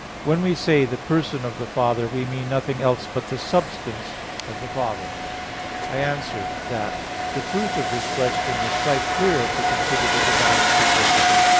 vi, 7): "When we say the person of the Father we mean nothing else but the substance of the Father." I answer that, The truth of this question is quite clear if we consider the divine simplicity.